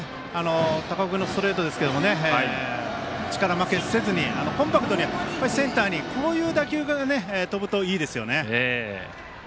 高尾君のストレートですけどもね力負けせずにコンパクトにセンターに、こういう打球が飛ぶといいですよね。